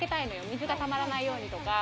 水がたまらないようにとか。